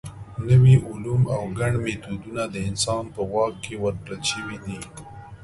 نوي علوم او ګڼ میتودونه د انسانانو په واک کې ورکړل شوي دي.